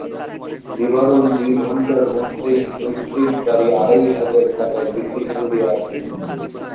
নিবারণ দুই ঘণ্টার মধ্যেই পৈতৃক বাড়ি আড়াই হাজার টাকায় বিক্রয় করিয়া আসিল।